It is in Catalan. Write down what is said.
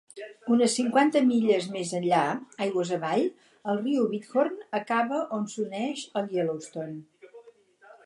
Unes cinquanta milles més enllà aigües avall, el riu Bighorn acaba on s'uneix al Yellowstone.